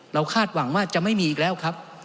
คาดหวังว่าจะไม่มีอีกแล้วครับ